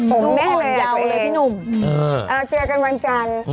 ผมแม่มต์แหลดเองดูหนุ่มไปยาวเลยพี่หนุ่มเอ้อเจอกันวันจันทร์